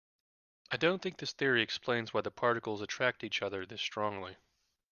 I don't think this theory explains why the particles attract each other this strongly.